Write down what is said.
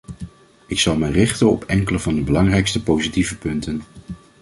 Ik zal mij richten op enkele van de belangrijkste positieve punten.